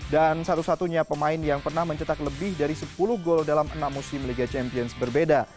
dan satu satunya pemain yang pernah mencetak lebih dari sepuluh gol dalam enam musim liga champions berbeda